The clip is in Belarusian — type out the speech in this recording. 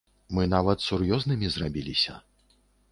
Мы нават сур'ёзнымі зрабіліся.